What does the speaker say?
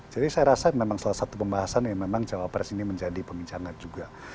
jadi saya rasa memang salah satu pembahasan yang memang jawabannya ini menjadi pembincangan juga